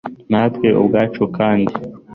natwe ubwacu kandi